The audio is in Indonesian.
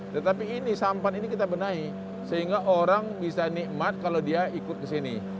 tetapi ini sampan ini kita benahi sehingga orang bisa nikmat kalau dia ikut ke sini